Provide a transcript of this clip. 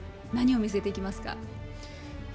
何を見据えていきますか？